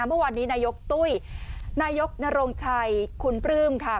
เมื่อวานนี้นายกตุ้ยนายกนโรงชัยคุณปลื้มค่ะ